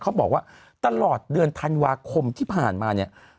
เขาบอกว่าตลอดเดือนธันวาคมที่ผ่านมาเนี่ย